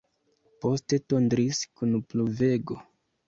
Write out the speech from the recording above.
Poste tondris kun pluvego.